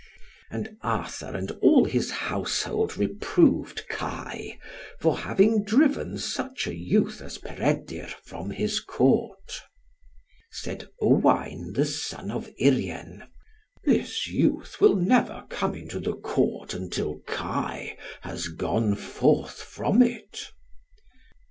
And Arthur and all his household reproved Kai, for having driven such a youth as Peredur from his Court. Said Owain the son of Urien, "This youth will never come into the Court until Kai has gone forth from it."